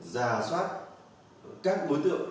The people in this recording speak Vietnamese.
rà soát các đối tượng